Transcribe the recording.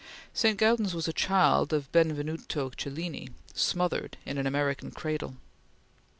St. Gaudens was a child of Benvenuto Cellini, smothered in an American cradle.